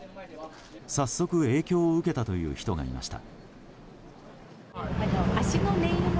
早速、影響を受けたという人がいました。